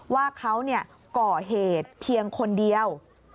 ว่าเขาก่อเหตุเพียงคนเดียว